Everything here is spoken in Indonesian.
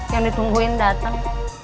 yang ditungguin dateng